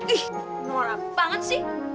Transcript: ih norak banget sih